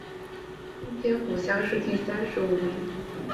应天府乡试第三十五名。